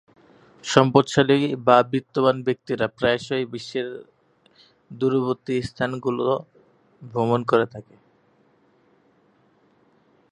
সম্পদশালী বা বিত্তবান ব্যক্তিরা প্রায়শঃই বিশ্বের দূরবর্তী স্থানগুলোয় ভ্রমণ করে থাকেন।